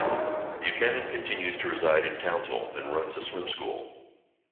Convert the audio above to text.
Buchanan continues to reside in Townsville and runs a swim school.